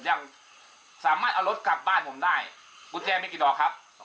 ยังสามารถเอารถกลับบ้านผมได้กุญแจไม่กี่ดอกครับ